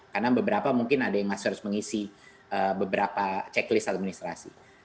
karena beberapa mungkin ada yang masih harus mengisi beberapa checklist administrasi